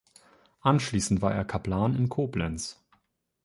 Anschließend war er Kaplan in Koblenz.